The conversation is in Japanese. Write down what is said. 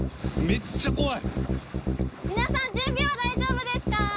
皆さん準備は大丈夫ですか？